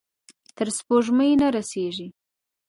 تر سپوږمۍ نه رسیږې